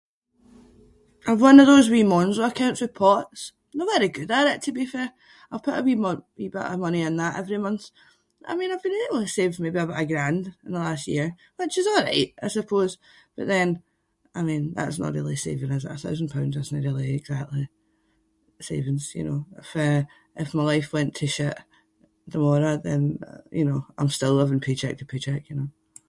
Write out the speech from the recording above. I’ve one of those wee Monzo accounts with pots. No very good at it to be fair. I put a wee mo- wee bit of money in that every month. I mean I’ve been able to save maybe aboot a grand in the last year which is alright I suppose. But then, I mean that’s no really saving, is it? A thousand pounds isnae really exactly savings, you know? If uh, if my life went to shit the-morrow then you know, I’m still living pay check to pay check, you know?